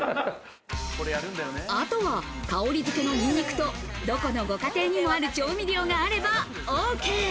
あとは香りづけのニンニクと、どこのご家庭にもある調味料があればＯＫ。